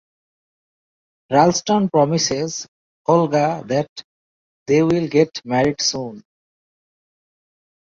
Ralston promises Olga that they will get married soon.